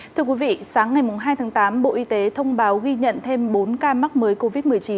thưa quý vị sáng ngày hai tháng tám bộ y tế thông báo ghi nhận thêm bốn ca mắc mới covid một mươi chín